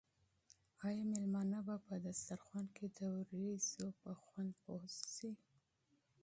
آیا مېلمانه به په دسترخوان کې د وریجو په خوند پوه شي؟